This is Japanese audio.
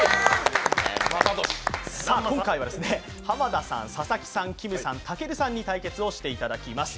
今回は濱田さん、佐々木さん、きむさん、たけるさんに対決をしていただきます。